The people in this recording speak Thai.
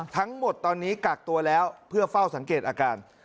ทั้งหมดตอนนี้กักตัวแล้วเพื่อเฝ้าสังเกตอาการ